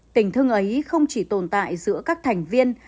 tình thương ấy không chỉ tồn tại giữa các thành viên